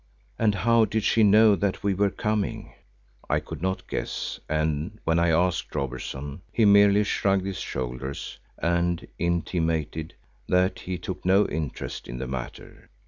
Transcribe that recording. And how did she know that we were coming? I could not guess and when I asked Robertson, he merely shrugged his shoulders and intimated that he took no interest in the matter.